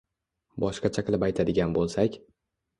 Boshqacha qilib aytadigan bo‘lsak